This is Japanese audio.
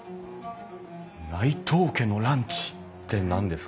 「内藤家のランチ」って何ですか？